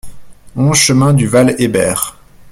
onze chemin du Val Hébert